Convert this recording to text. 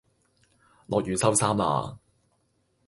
落雨收衫啦